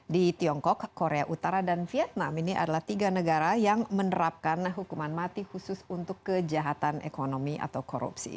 di tiongkok korea utara dan vietnam ini adalah tiga negara yang menerapkan hukuman mati khusus untuk kejahatan ekonomi atau korupsi